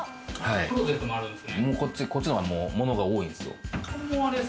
こっちの方が物が多いんですよ。